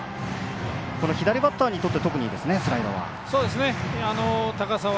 左バッターにとっては特にいいですね、スライダーは。